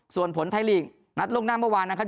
ส่วนผลไทยลีกนัดล่วงหน้าเมื่อวานนะครับ